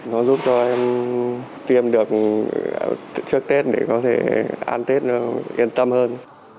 nó giúp cho em tiêm được trước tết để có thể ăn tết nó yên tâm hơn